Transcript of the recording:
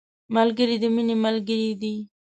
ملګری د مینې ملګری دی